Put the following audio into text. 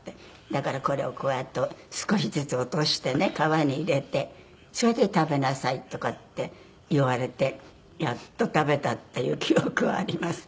だからこれをこうやって少しずつ落としてね川に入れてそれで食べなさいとかって言われてやっと食べたっていう記憶はあります。